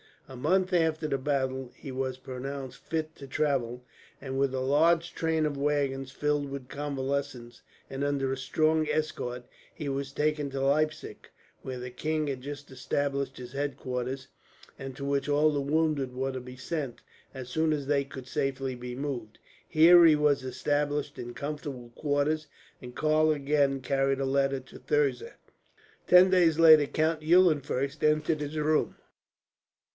A month after the battle he was pronounced fit to travel, and with a large train of wagons filled with convalescents, and under a strong escort, he was taken to Leipzig; where the king had just established his headquarters, and to which all the wounded were to be sent, as soon as they could safely be moved. Here he was established in comfortable quarters, and Karl again carried a letter to Thirza. Ten days later Count Eulenfurst entered his room.